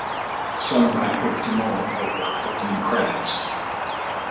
Sung by Vic Damone over opening credits.